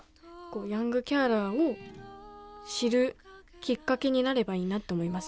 ヤングケアラーを知るきっかけになればいいなって思います